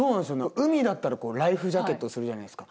海だったらライフジャケットをするじゃないですか。